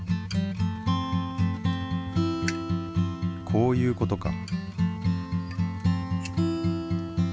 こういうことか。